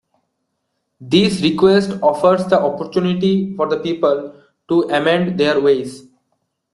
This request offers the opportunity for the people to amend their ways.